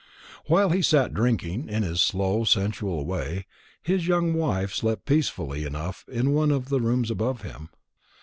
While he sat drinking in his slow sensual way, his young wife slept peacefully enough in one of the rooms above him.